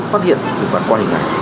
phát hiện sự phạt qua hình ảnh